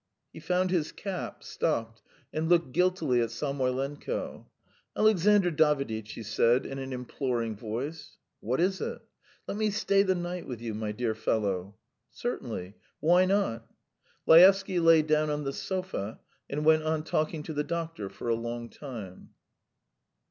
He found his cap, stopped, and looked guiltily at Samoylenko. "Alexandr Daviditch," he said in an imploring voice. "What is it?" "Let me stay the night with you, my dear fellow!" "Certainly. ... Why not?" Laevsky lay down on the sofa, and went on talking to the doctor for a long time.